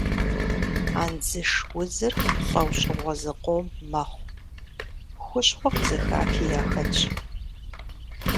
Андзыш удзыр лӏэужьыгъуэ зыкъом мэхъу, хущхъуэ къызыхахи яхэтщ.